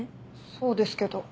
そうですけど。